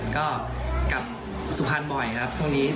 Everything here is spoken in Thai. ก็กลับสุพรรณบ่อยครับช่วงนี้